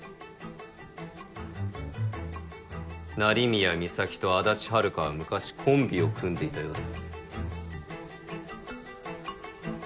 成宮美咲と足立遥は昔コンビを組んでいたようだ。